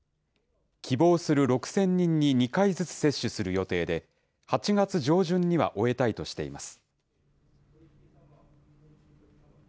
希望する６０００人に２回ずつ接種する予定で、８月上旬には終えたいとしています。